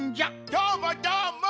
どーもどーも！